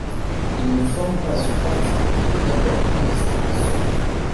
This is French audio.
Il ne forme pas ce parti, qui est d'abord clandestin, seul.